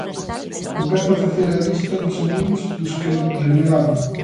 ¿Empezo a facer a lista dos amigos dos que renegaron?